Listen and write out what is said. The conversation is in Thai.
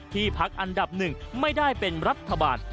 พักอันดับหนึ่งไม่ได้เป็นรัฐบาล